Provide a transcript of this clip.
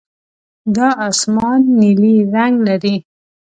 دا اسمان نیلي رنګ لري.